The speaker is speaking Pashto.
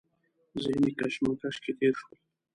ذهني کشمکش کې تېر شول.